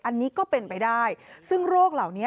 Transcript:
อันนี้ก็เป็นไปได้ซึ่งโรคเหล่านี้